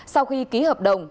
sau khi ký hợp đồng